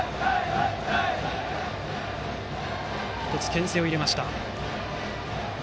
けん制を入れました。